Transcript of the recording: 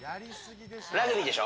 ラグビーでしょ？